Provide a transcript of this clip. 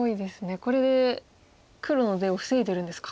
これで黒の出を防いでるんですか。